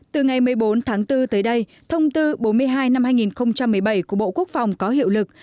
từ ngày một mươi bốn tháng bốn tới đây thông tư bốn mươi hai năm hai nghìn một mươi bảy của bộ quốc phòng có hiệu lực